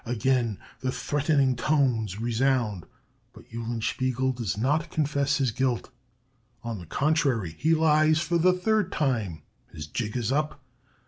Again the threatening tones resound; but Eulenspiegel does not confess his guilt. On the contrary, he lies for the third time. His jig is up.